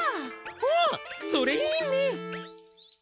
あっそれいいね！